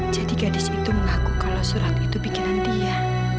jadi gadis itu mengaku kalau surat itu bikinan dia